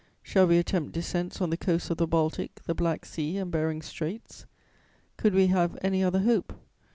Shall we attempt descents on the coasts of the Baltic, the Black Sea and Behring's Straits? Could we have any other hope?